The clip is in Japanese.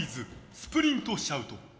スプリントシャウト。